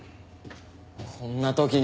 こんな時に。